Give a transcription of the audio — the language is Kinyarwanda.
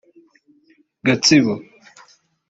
Gatsibo